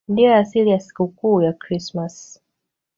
Ndiyo asili ya sikukuu ya Krismasi.